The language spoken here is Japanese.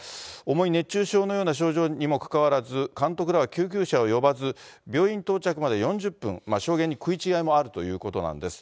重い熱中症のような症状にもかかわらず、監督らは救急車を呼ばず、病院到着まで４０分、証言に食い違いもあるということなんです。